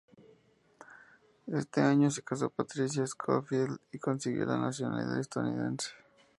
Ese año se casó con Patricia Scofield y consiguió así la nacionalidad estadounidense.